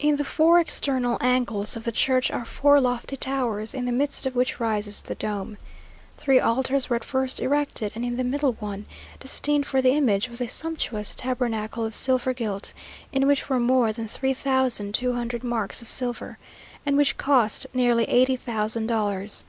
In the four external angles of the church are four lofty towers, in the midst of which rises the dome. Three altars were at first erected, and in the middle one, destined for the image, was a sumptuous tabernacle of silver gilt, in which were more than three thousand two hundred marks of silver, and which cost nearly eighty thousand dollars.